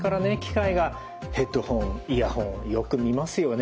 ヘッドホン・イヤホンよく見ますよね。